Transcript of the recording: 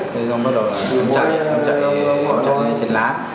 thế rồi bắt đầu chạy chạy lên trên lát